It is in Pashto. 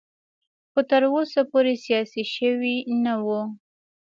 خو تر اوسه پورې سیاسي شوی نه و.